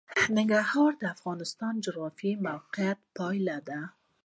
ننګرهار د افغانستان د جغرافیایي موقیعت پایله ده.